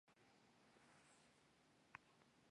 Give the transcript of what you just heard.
ମୋଟା କାରବାର, ରଗଡ଼ି ଝଗଡ଼ି ନାହିଁ; କଥା ପଦ ପଦକେ ସଉଦା ।